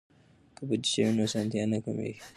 که بودیجه وي نو اسانتیا نه کمېږي.